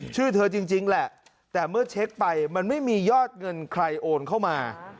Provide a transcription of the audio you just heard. ชื่อเธอจริงแหละแต่เมื่อเช็คไปมันไม่มียอดเงินใครโอนเข้ามา